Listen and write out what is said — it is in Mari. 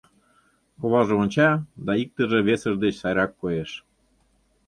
Коваже онча да иктыже весыж деч сайрак коеш.